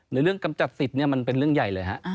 เรื่องกำจัดสิทธิ์มันเป็นเรื่องใหญ่เลยฮะ